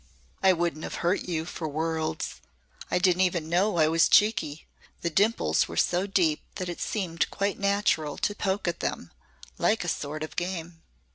"I wouldn't have hurt you for worlds. I didn't even know I was cheeky. The dimples were so deep that it seemed quite natural to poke at them like a sort of game."